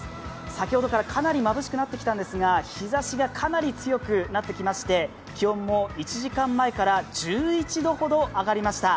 先ほどからかなりまぶしくなってきたんですが日ざしがかなり強くなってきまして気温も１時間前から１１度ほど上がりました。